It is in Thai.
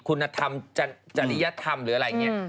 คุณธรรมจริยธรรมหรืออะไรอย่างนี้